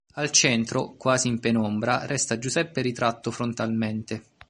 Al centro, quasi in penombra, resta Giuseppe ritratto frontalmente.